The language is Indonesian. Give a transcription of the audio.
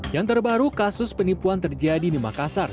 yang terbaru kasus penipuan terjadi di makassar